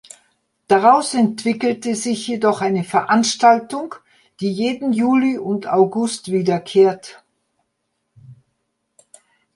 Daraus entwickelte sich jedoch eine Veranstaltung, die jeden Juli und August wiederkehrt.